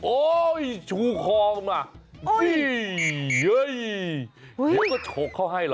โอ้ยชูคลองมาเดี๋ยวก็โฉกเข้าให้เหรอ